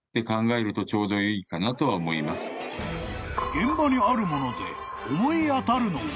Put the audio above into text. ［現場にあるもので思い当たるのは］